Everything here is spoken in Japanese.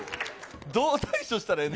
どう対処したらええの。